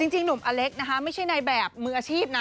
จริงหนุ่มอเล็กนะคะไม่ใช่ในแบบมืออาชีพนะ